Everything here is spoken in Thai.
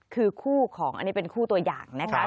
คือคู่ของอันนี้เป็นคู่ตัวอย่างนะคะ